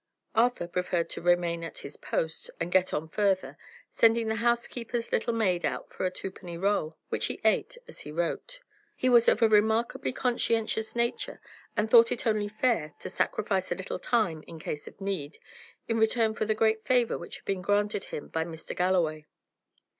Arthur preferred to remain at his post, and get on further, sending the housekeeper's little maid out for a twopenny roll, which he ate as he wrote. He was of a remarkably conscientious nature, and thought it only fair to sacrifice a little time in case of need, in return for the great favour which had been granted him by Mr. Galloway.